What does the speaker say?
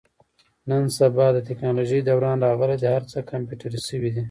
نن سبا د تکنالوژۍ دوران راغلی دی. هر څه کمپیوټري شوي دي.